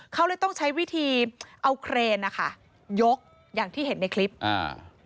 เขาเลยต้องใช้วิธีเอาเครนนะคะยกอย่างที่เห็นในคลิปอ่า